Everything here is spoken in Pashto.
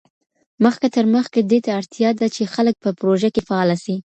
مخکي تر مخکي، دې ته اړتیا ده چي خلګ په پروژه کي فعاله سي.